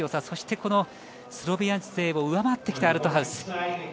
そしてスロベニア勢を上回ってきたアルトハウス。